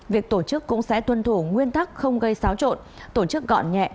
việc tổ chức cũng sẽ tuân thủ nguyên tắc không gây xáo trộn tổ chức gọn nhẹ